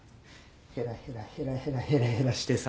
ヘラヘラヘラヘラヘラヘラしてさ